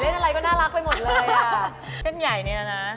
คนสวยทานก๋วยเตี๋ยวเป็นไหมเนี่ย